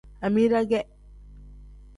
Amida ge.